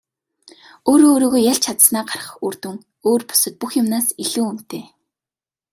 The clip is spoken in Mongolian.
Өөрөө өөрийгөө ялж чадсанаа гарах үр дүн өөр бусад бүх юмнаас илүү үнэтэй.